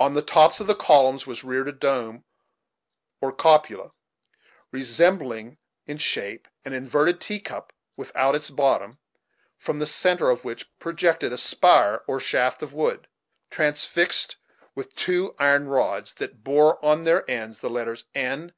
On the tops of the columns was reared a dome or cupola, resembling in shape an inverted tea cup without its bottom, from the centre of which projected a spire, or shaft of wood, transfixed with two iron rods, that bore on their ends the letters N.